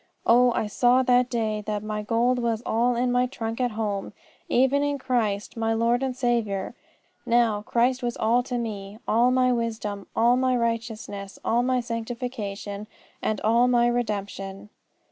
Oh, I saw that day that my gold was all in my trunk at home! Even in Christ, my Lord and Saviour! Now, Christ was all to me: all my wisdom, all my righteousness, all my sanctification and all my redemption."